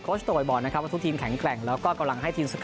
มาแบบไหนนะครับทุกทีมแข็งแกร่งแล้วก็กำลังให้ทีม